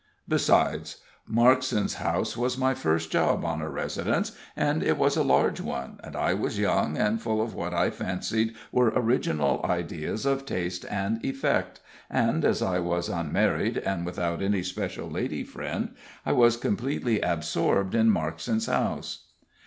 Besides, Markson's house was my first job on a residence, and it was a large one, and I was young, and full of what I fancied were original ideas of taste and effect; and as I was unmarried, and without any special lady friend, I was completely absorbed in Markson's house.